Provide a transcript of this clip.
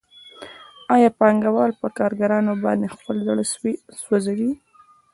آیا پانګوال په کارګرانو باندې خپل زړه سوځوي